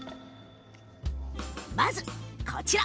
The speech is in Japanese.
まず、こちら。